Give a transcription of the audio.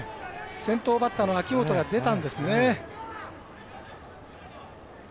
先頭バッターの秋元が出たんですね。